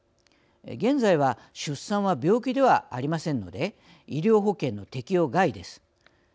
現在は、出産は病気ではありませんので医療保険の適用外です。